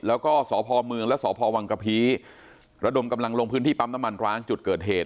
แล้วก็สพเมืองและสพวังกะพีระดมกำลังลงพื้นที่ปั๊มน้ำมันร้างจุดเกิดเหตุ